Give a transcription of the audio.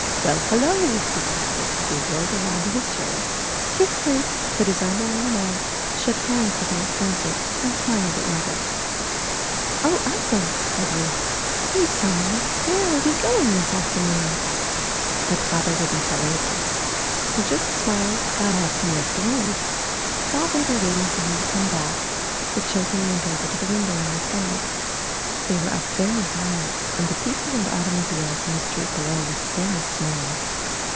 'Well, hello!" he cried as he whirled round in his chair, kissed Ruth, put his arm around Ned, shook hands with Aunt Frances, and smiled at Mother. '*0h, uncle," cried Ruth, ''please tell me, where are we going this afternoon?" But Father wouldn't tell either. He just smiled, got up, and left the room. "While they were waiting for him to come back, the children went over to the window and looked out. They were up very high and the people and automobiles in the street below looked very small.